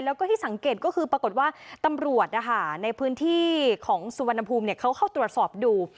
แล้วก็ที่สังเกตก็คือปรากฏว่าตำรวจในพื้นที่ของสุวรรณภูมิเขาเข้าตรวจสอบดู